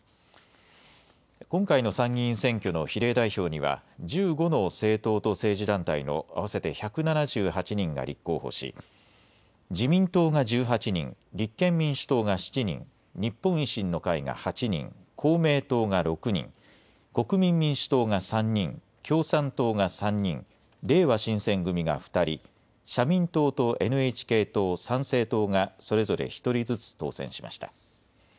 今回の参議院選挙の比例代表には、１５の政党と政治団体の合わせて１７８人が立候補し、自民党が１８人、立憲民主党が７人、日本維新の会が８人、公明党が６人、国民民主党が３人、共産党が３人、れいわ新選組が２人、社民党とＮＨＫ党、参政党がそれぞれ１人ずつ当選しました。